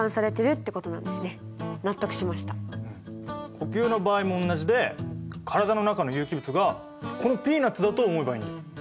呼吸の場合も同じで体の中の有機物がこのピーナッツだと思えばいいんだよ。